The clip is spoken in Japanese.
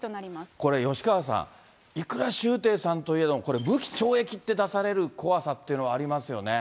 これ吉川さん、いくら周庭さんといえども、これ無期懲役って出される怖さってのはありますよね。